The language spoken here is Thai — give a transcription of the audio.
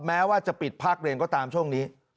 แม้ว่าจะปิดภาคเรียนก็ตามช่วงนี้